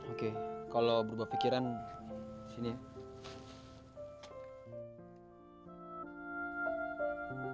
oke kalau berubah pikiran sini ya